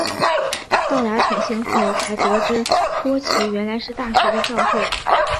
到达犬星后才得知波奇原来是大学的教授。